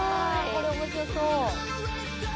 これ面白そう！